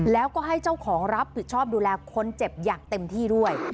แล้วก็ให้เจ้าของรับผิดชอบดูแลคนเจ็บอย่างเต็มที่ด้วย